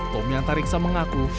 tom yantariksa mengaku